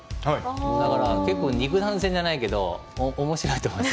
だから、肉弾戦じゃないけどおもしろいと思います。